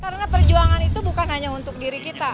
karena perjuangan itu bukan hanya untuk diri kita